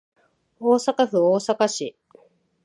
大阪府大阪市